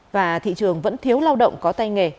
và thị trường vẫn thiếu lao động có tay nghề